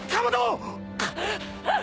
あっ！？